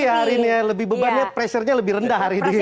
iya hari ini ya lebih bebannya pressure nya lebih rendah hari ini